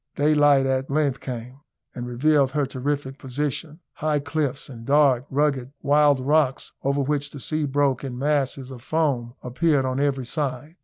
Daylight at length came, and revealed her terrific position. High cliffs, and dark, rugged, wild rocks, over which the sea broke in masses of foam, appeared on every side.